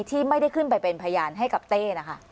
ที่ไม่ได้ขึ้นไปเป็นพยานให้กับเต้นะคะ